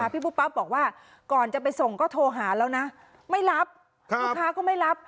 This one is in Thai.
ปุ๊บปั๊บบอกว่าก่อนจะไปส่งก็โทรหาแล้วนะไม่รับลูกค้าก็ไม่รับ